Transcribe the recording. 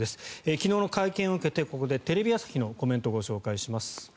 昨日の会見を受けてここでテレビ朝日のコメントをご紹介します。